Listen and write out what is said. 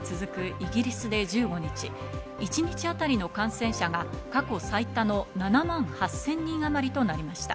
イギリスで１５日、一日あたりの感染者が過去最多の７万８０００人あまりとなりました。